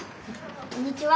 こんにちは。